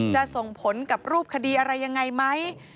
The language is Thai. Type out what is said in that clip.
จะส่งผลกับรูปคดีอะไรยังไงไหม